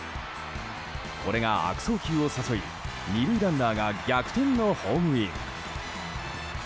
これが悪送球を誘い２塁ランナーが逆転のホームイン。